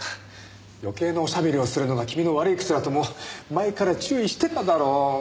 余計なおしゃべりをするのが君の悪い癖だともう前から注意してただろう！